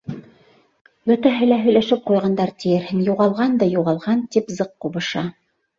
Бөтәһе лә, һөйләшеп ҡуйғандар тиерһең, юғалған да юғалған, тип зыҡ ҡубыша.